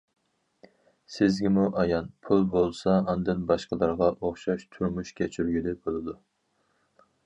سىزگىمۇ ئايان، پۇل بولسا ئاندىن باشقىلارغا ئوخشاش تۇرمۇش كەچۈرگىلى بولىدۇ.